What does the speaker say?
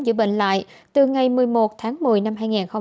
chữa bệnh lại từ ngày một mươi một tháng một mươi năm hai nghìn hai mươi